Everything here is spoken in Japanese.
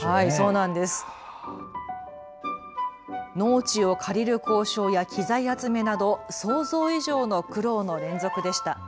農地を借りる交渉や機材集めなど想像以上の苦労の連続でした。